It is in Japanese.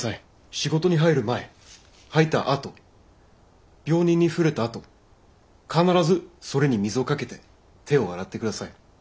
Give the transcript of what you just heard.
仕事に入る前入ったあと病人に触れたあと必ずそれに水をかけて手を洗って下さい。